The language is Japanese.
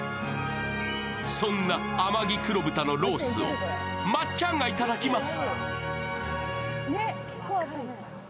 そんな天城黒豚のロースをまっちゃんが頂きます。